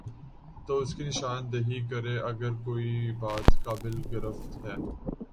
تو اس کی نشان دہی کرے اگر کوئی بات قابل گرفت ہے۔